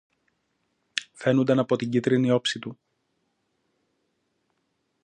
Φαίνουνταν από την κίτρινη όψη του.